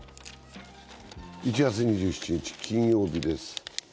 １月２７日金曜日です。